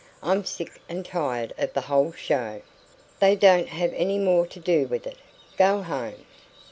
I'm sick and tired of the whole show." "Then don't have any more to do with it. Go home."